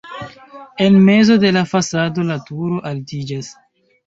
En mezo de la fasado la turo altiĝas.